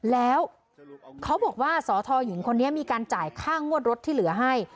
แล้วเขาบอกว่าสทหญิงคนนี้มีการจ่ายค่างวดรถที่เหลือให้